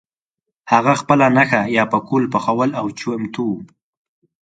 هغه خپله نښه یا پکول پخول او چمتو وو.